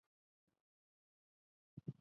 终于他们到了医院门口